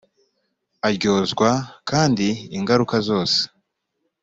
aryozwa kandi ingaruka zose.